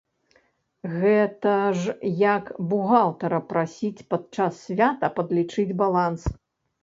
Гэта ж як бухгалтара прасіць падчас свята падлічыць баланс.